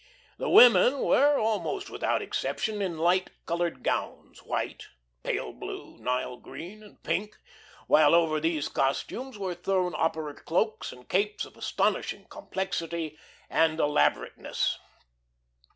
The women were, almost without exception, in light coloured gowns, white, pale blue, Nile green, and pink, while over these costumes were thrown opera cloaks and capes of astonishing complexity and elaborateness.